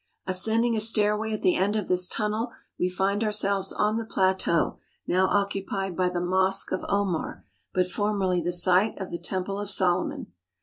Ascending a stairway at the end of this tunnel, we find ourselves on the plateau now occupied by the Mosque of Omar, but formerly the site of the Temple of Solomon.